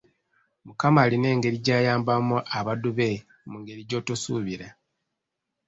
Mukama alina engeri gy'ayambamu abaddu be mu ngeri gy'otosuubira.